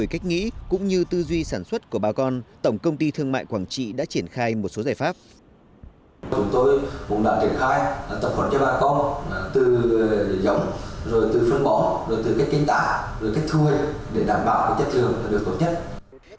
chúng tôi cũng đã triển khai tập khuẩn cho bà con từ dòng rồi từ phương bỏ rồi từ cách kinh tả rồi từ cách thuê để đảm bảo chất lượng được tốt nhất